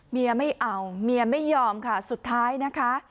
เมียไม่เอาเมียไม่ยอมค่ะสุดท้ายนะคะ